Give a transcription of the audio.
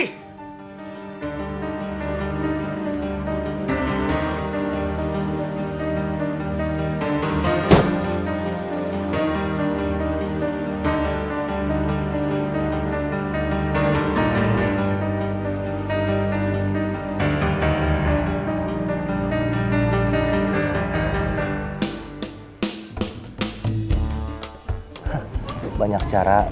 setiapnya dia calon tkw